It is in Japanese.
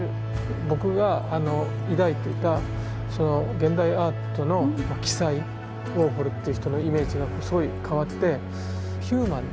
僕があの抱いていたその現代アートの奇才ウォーホルという人のイメージがすごい変わってヒューマンな